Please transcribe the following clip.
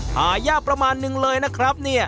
หายากประมาณนึงเลยนะครับเนี่ย